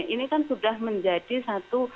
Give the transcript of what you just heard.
ini kan sudah menjadi satu